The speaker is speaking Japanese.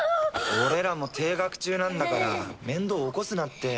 俺らも停学中なんだから面倒起こすなって。